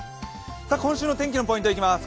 今週の天気のポイントいきます。